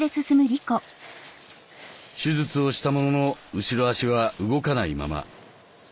手術をしたものの後ろ足は動かないまま。